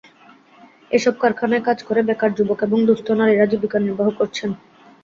এসব কারখানায় কাজ করে বেকার যুবক এবং দুস্থ নারীরা জীবিকা নির্বাহ করছেন।